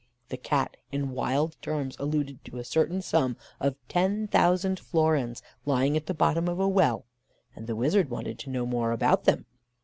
The Cat in wild terms alluded to a certain sum of ten thousand florins lying at the bottom of a well, and the wizard wanted to know more about them.